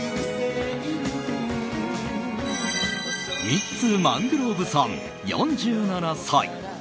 ミッツ・マングローブさん４７歳。